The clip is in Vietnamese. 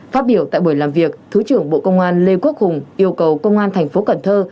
phát biểu tại buổi làm việc thứ trưởng bộ công an lê quốc hùng yêu cầu công an thành phố cần thơ